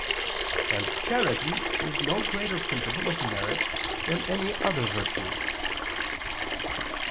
Hence charity is no greater principle of merit than any other virtue.